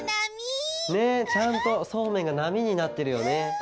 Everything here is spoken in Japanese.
ねっちゃんとそうめんがなみになってるよね。